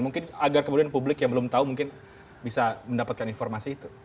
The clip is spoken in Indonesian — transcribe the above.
mungkin agar kemudian publik yang belum tahu mungkin bisa mendapatkan informasi itu